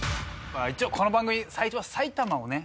一応この番組最初は埼玉をね